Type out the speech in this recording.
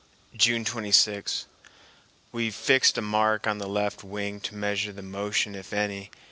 June 26. We fixed a mark on the left wing to measure the motion if any.